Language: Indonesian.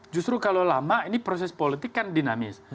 justru kalau lama ini proses politik kan dinamis